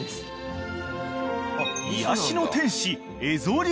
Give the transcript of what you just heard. ［癒やしの天使］